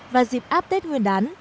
và dịp áp tết nguyên đán